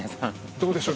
どうでしょう？